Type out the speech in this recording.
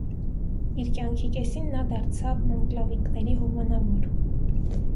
Իր կյանքի կեսին նա դարձավ մանկլավիկների հովանավոր։